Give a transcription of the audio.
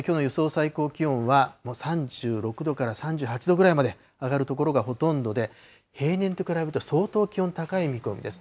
最高気温はもう３６度から３８度ぐらいまで上がる所がほとんどで、平年と比べると、相当、気温高い見込みです。